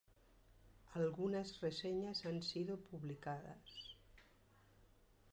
Algunas reseñas han sido publicadas.